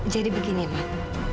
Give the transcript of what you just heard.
jadi begini mak